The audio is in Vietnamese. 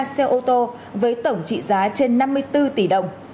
hai mươi ba xe ô tô với tổng trị giá trên năm mươi bốn tỷ đồng